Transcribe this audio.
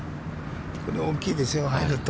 これは大きいですよ、入ると。